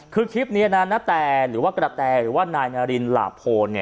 คือคลิปนี้นะณแตหรือว่ากระแตหรือว่านายนารินหลาโพน